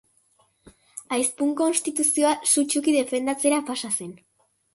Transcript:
Aizpun konstituzioa sutsuki defendatzera pasa zen.